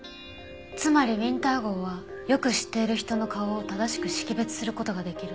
つまりウィンター号はよく知っている人の顔を正しく識別する事ができるの。